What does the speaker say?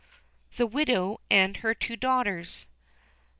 THE WIDOW AND HER TWO DAUGHTERS.